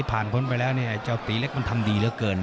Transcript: ผ่านพ้นไปแล้วนี่ไอ้เจ้าตีเล็กมันทำดีเหลือเกิน